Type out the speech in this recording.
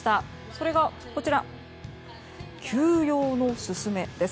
それが、休養のススメです。